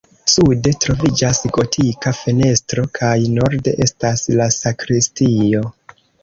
Sude troviĝas gotika fenestro kaj norde estas la sakristio.